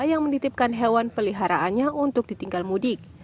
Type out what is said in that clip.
yang menitipkan hewan peliharaannya untuk ditinggal mudik